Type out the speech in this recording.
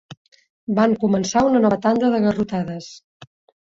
Van començar una nova tanda de garrotades.